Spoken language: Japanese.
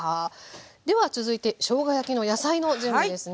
では続いてしょうが焼きの野菜の準備ですね。